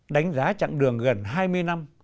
đánh giá chặng đường gần hai mươi năm